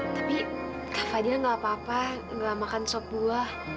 tapi kak fadil gak apa apa gak makan sop buah